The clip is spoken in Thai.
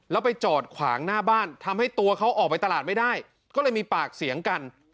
แล้วไปจอดขวางหน้าบ้านทำให้ตัวเขาออกไปตลาดไม่ได้ก็เลยมีปากเสียงกัน